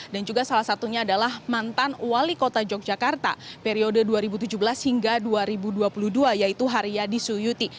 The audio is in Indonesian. dan juga salah satunya adalah mantan wali kota yogyakarta periode dua ribu tujuh belas hingga dua ribu dua puluh dua yaitu hari yadi suyuti